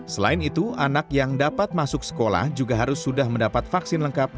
selain itu anak yang dapat masuk sekolah juga harus sudah mendapat vaksin lengkap